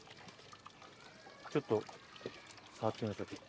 ちょっと触ってみましょうか。